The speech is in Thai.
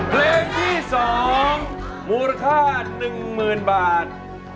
เพลงที่๒มูลค่า๑๐๐๐บาท